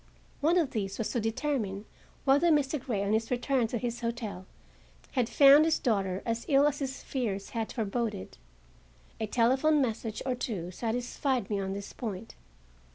One of these was to determine whether Mr. Grey, on his return to his hotel, had found his daughter as ill as his fears had foreboded. A telephone message or two satisfied me on this point.